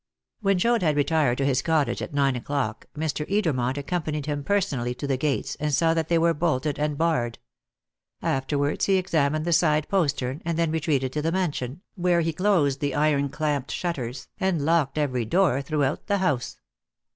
When Joad had retired to his cottage at nine o'clock, Mr. Edermont accompanied him personally to the gates, and saw that they were bolted and barred. Afterwards he examined the side postern, and then retreated to the mansion, where he closed the iron clamped shutters and locked every door throughout the house.